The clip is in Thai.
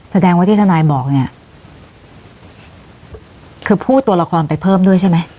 แสดงว่าที่ทนายบอกเนี่ยคือพูดตัวละครไปเพิ่มด้วยใช่ไหม